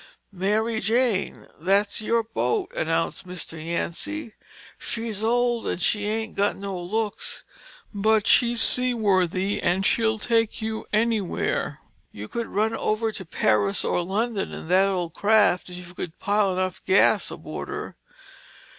"Mary Jane—that's your boat," announced Mr. Yancy. "She's old and she ain't got no looks, but she's seaworthy and she'll take you anywhere. You could run over to Paris or London in that old craft if you could pile enough gas aboard her."